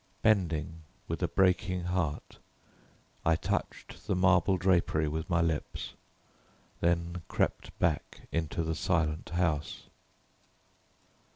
Bending, with a breaking heart, I touched the marble drapery with my lips, then crept back into the silent house.